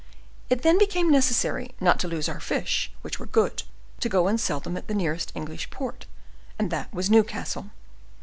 It then became necessary, not to lose our fish, which were good, to go and sell them at the nearest English port, and that was Newcastle.